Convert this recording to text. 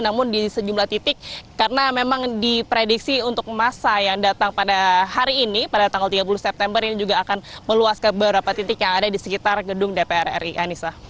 namun di sejumlah titik karena memang diprediksi untuk masa yang datang pada hari ini pada tanggal tiga puluh september ini juga akan meluas ke beberapa titik yang ada di sekitar gedung dpr ri anissa